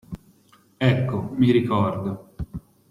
Ecco, mi ricordo.